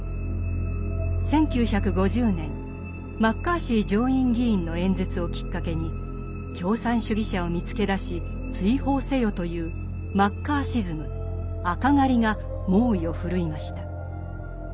１９５０年マッカーシー上院議員の演説をきっかけに共産主義者を見つけ出し追放せよというマッカーシズム赤狩りが猛威を振るいました。